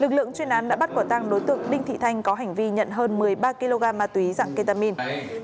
lực lượng chuyên án đã bắt quả tăng đối tượng đinh thị thanh có hành vi nhận hơn một mươi ba kg ma túy dạng ketamin